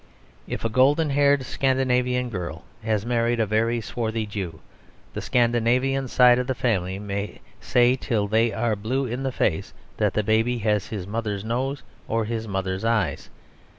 If a golden haired Scandinavian girl has married a very swarthy Jew, the Scandinavian side of the family may say till they are blue in the face that the baby has his mother's nose or his mother's eyes.